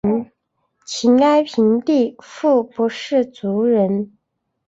秦哀平帝苻丕氐族人。